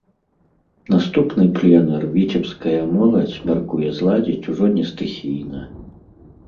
Наступны пленэр віцебская моладзь мяркуе зладзіць ужо не стыхійна.